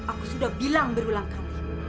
aku sudah bilang berulang kali